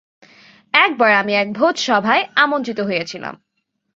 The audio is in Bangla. একবার আমি এক ভোজসভায় আমন্ত্রিত হইয়াছিলাম।